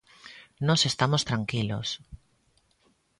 Nós estamos tranquilos.